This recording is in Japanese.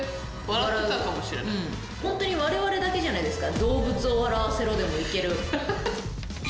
ホントにわれわれだけじゃないですか。